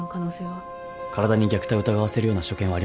体に虐待を疑わせるような所見はありませんでした。